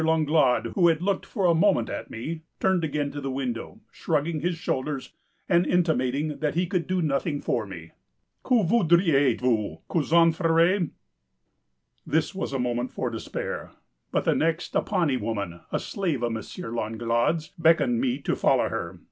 Langlade, who had looked for a moment at me, turned again to the window, shrugging his shoulders, and intimating that he could do nothing for me——'Que voudriez vous que j'en ferais?' "This was a moment for despair; but the next a Pani woman, a slave of M. Langlade's, beckoned me to follow her.